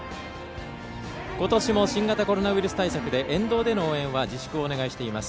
ことしも新型コロナウイルス対策で沿道での応援は自粛をお願いしています。